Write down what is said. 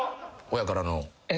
親からの。